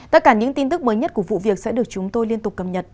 tất cả những tin tức mới nhất của vụ việc sẽ được chúng tôi liên tục cập nhật